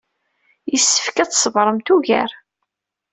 Yessefk ad tṣebremt ugar.